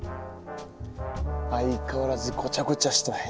相変わらずごちゃごちゃした部屋だね。